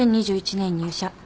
２０２１年入社。